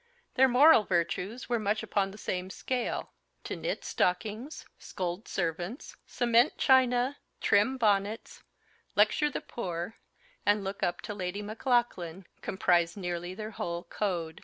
Their moral virtues were much upon the same scale; to knit stockings, scold servants, cement china, trim bonnets, lecture the poor, and look up to Lady Maclaughlan, comprise nearly their whole code.